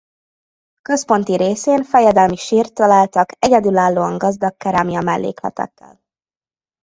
Központi részén fejedelmi sírt találtak egyedülállóan gazdag kerámia mellékletekkel.